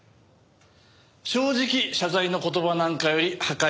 正直謝罪の言葉なんかより破壊した離れ家